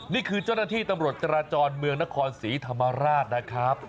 นี่คือเจ้าหน้าที่ตำรวจจราจรเมืองนครศรีธรรมราชนะครับ